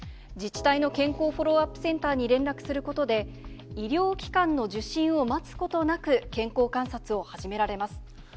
自治体の健康フォローアップセンターに連絡することで、医療機関の受診を待つことなく、健康観察を始められます。